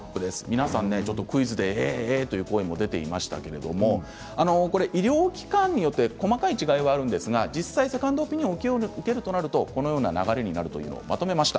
皆さん、クイズでええ、という声も上がっていましたけれどこれは医療機関によって細かい違いがありますが実際にセカンドオピニオンを受けるとなるとこのような流れになるということをまとめました。